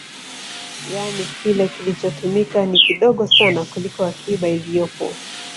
Yani kile kilichotumika ni kidogo sana kuliko akiba iliyopo